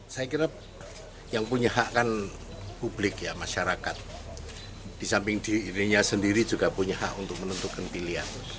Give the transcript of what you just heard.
saya kira yang punya hak kan publik ya masyarakat di samping dirinya sendiri juga punya hak untuk menentukan pilihan